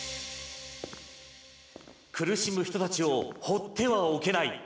苦しむ人たちをほってはおけない。